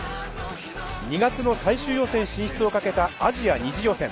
２月の最終予選進出をかけたアジア２次予選。